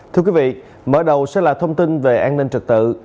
thưa quý vị mở đầu sẽ là thông tin về an ninh trật tự